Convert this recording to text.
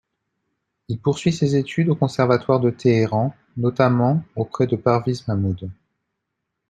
Il poursuit ses études au conservatoire de Téhéran, notamment auprès de Parviz Mahmoud.